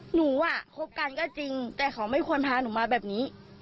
หนูอ่ะคบกันก็จริงแต่เขาไม่ควรพาหนูมาแบบนี้